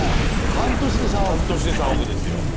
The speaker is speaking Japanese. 半年で３億ですよ。